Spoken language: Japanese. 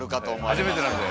初めてなんで。